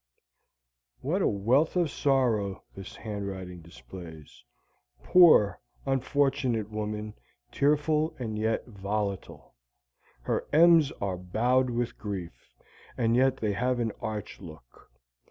What a wealth of sorrow this handwriting displays! Poor, unfortunate woman, tearful and yet volatile! Her M's are bowed with grief, and yet they have an arch look.